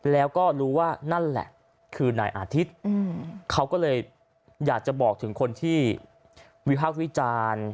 แล้วก็รู้ว่านั่นแหละคือนายอาทิตย์เขาก็เลยอยากจะบอกถึงคนที่วิพากษ์วิจารณ์